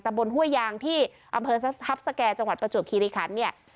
บนห้วยยางที่อำเภอทัพสแก่จังหวัดประจวบคิริคันเนี่ย